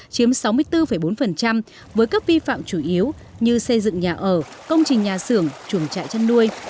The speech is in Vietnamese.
chiếm sáu mươi bốn bốn với các vi phạm chủ yếu như xây dựng nhà ở công trình nhà xưởng chuồng trại chăn nuôi